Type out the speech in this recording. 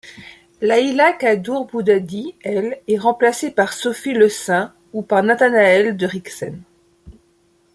Leïla Kaddour-Boudadi, elle, est remplacée par Sophie Le Saint ou par Nathanaël de Rincquesen.